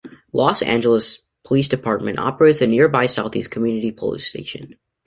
Los Angeles Police Department operates the nearby Southeast Community Police Station.